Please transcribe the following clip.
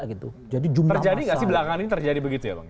terjadi nggak sih belakangan ini terjadi begitu ya bang